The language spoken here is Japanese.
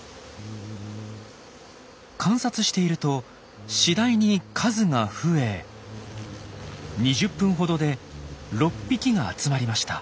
観察していると次第に数が増え２０分ほどで６匹が集まりました。